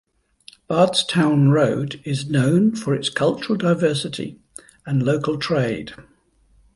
Bardstown Road is known for its cultural diversity and local trade.